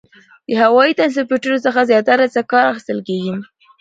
د هوایي ترانسپورتي څخه زیاتره څه کار اخیستل کیږي؟